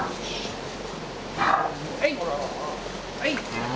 はい！